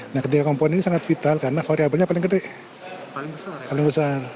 nah ketiga komponen ini sangat vital karena variabelnya paling gede paling besar